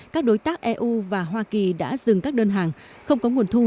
các đối tác eu và hoa kỳ đã dừng các đơn hàng không có nguồn thu